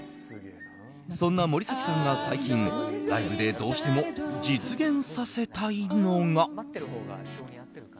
そんな森崎さんが最近ライブでどうしても実現させたいのが。